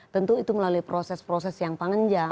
tentu itu melalui proses proses yang panjang